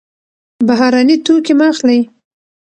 بهرني توکي مه اخلئ.